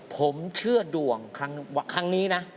ผมเชื่อดวงครั้งนี้นะ